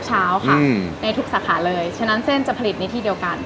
เช้าค่ะในทุกสาขาเลยฉะนั้นเส้นจะผลิตในที่เดียวกัน